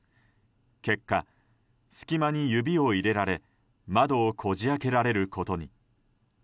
結果、隙間に指を入れられ窓をこじ開けられることに。